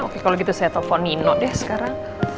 oke kalau gitu saya telepon nino deh sekarang